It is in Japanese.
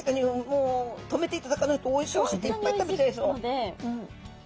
もう止めていただかないとおいしいおいしいっていっぱい食べちゃいそう。